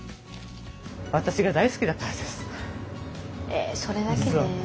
私が大好きだからです